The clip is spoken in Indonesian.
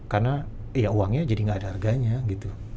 karena uangnya jadi nggak ada harganya gitu